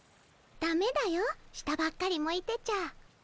だめだよ下ばっかり向いてちゃ。